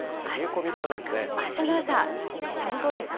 あしたの朝、寒そうですね。